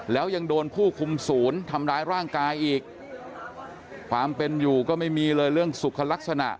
แล้วยังโดนผู้คุมศูนย์ทำร้ายร่างกายอีกความเป็นอยู่ก็ไม่มีเลยเรื่องสุขลักษณะ